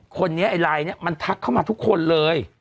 คนนี้ไลน์มันทักเข้ามาทุกคนเลย